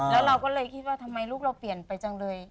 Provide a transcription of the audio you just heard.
แล้วเราก็เลยคิดว่าทำไมลูกเราเปลี่ยนไปจังเลย